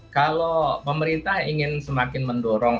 kalau pemerintah ingin semakin mendorong